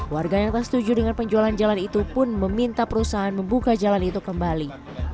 warga yang tak setuju dengan penjualan jalan itu pun meminta perusahaan membuka jalan itu kembali